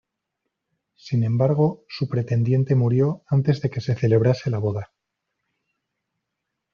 Sin embargo, su pretendiente murió antes de que se celebrase la boda.